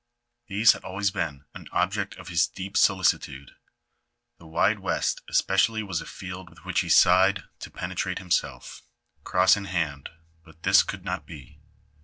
These had always been an object of his deep solicitude ; the wide west especially was a field which he sighed to pen etrate himself, cross in hand, but this could not be.